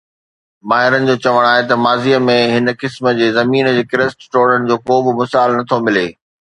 ماهرن جو چوڻ آهي ته ماضيءَ ۾ هن قسم جي زمين جي ڪرسٽ ٽوڙڻ جو ڪو مثال نه ٿو ملي